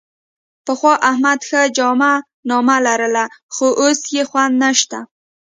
پخوا احمد ښه جامه نامه لرله، خو اوس یې خوند نشته.